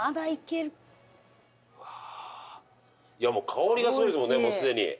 香りがすごいですもんねもうすでに。